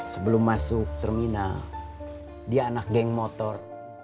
sebelum masuk terminal dia anak geng motor